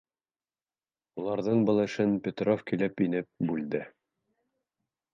Уларҙың был эшен Петров килеп инеп бүлде: